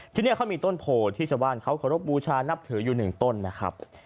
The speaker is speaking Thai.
ที่นี่เค้ามีต้นโผลที่ชาว่านเค้าขอรบบูชานับถืออยู่๑ต้นนะครับ